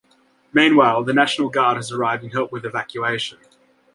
Meanwhile, the National Guard has arrived and helped with evacuation.